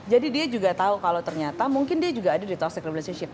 dia juga tahu kalau ternyata mungkin dia juga ada di toxic relationship